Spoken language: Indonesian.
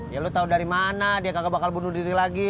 ya lo tahu dari mana dia kakak bakal bunuh diri lagi